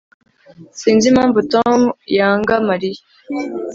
Sinzi impamvu Tom yanga Mariya